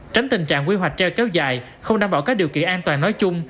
tránh tình trạng quy hoạch treo kéo dài không đảm bảo các điều kiện an toàn nói chung